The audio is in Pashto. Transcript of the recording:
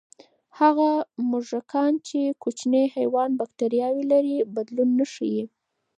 هغه موږکان چې کوچني حیوان بکتریاوې لري، بدلون نه ښيي.